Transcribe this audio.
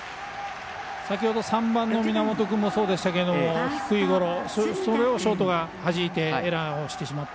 先ほど３番の源君もそうでしたけど低いゴロ、それをショートがはじいてエラーしてしまった。